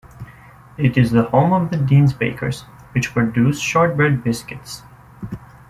It is the home of the Deans bakers, which produce shortbread biscuits.